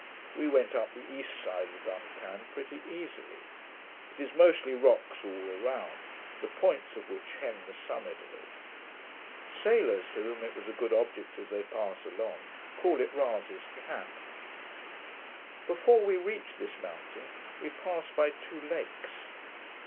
We went up the east side of Dun Can pretty easily. It is mostly rocks all around, the points of which hem the summit of it. Sailors, to whom it is a good object as they pass along, call it Rasay's cap. Before we reached this mountain, we passed by two lakes.